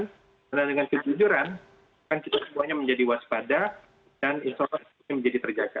karena dengan kejujuran kita semuanya menjadi waspada dan insolasi menjadi terjaga